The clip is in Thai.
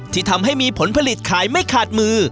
ที่ทำให้มีผลผลิตขายไม่ขาดมือ